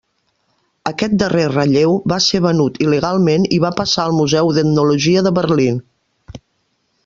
Aquest darrer relleu va ser venut il·legalment i va passar al Museu d'Etnologia de Berlín.